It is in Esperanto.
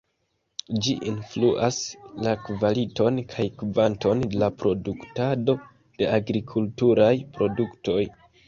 Ĝi influas la kvaliton kaj kvanton de la produktado de agrikulturaj produktoj.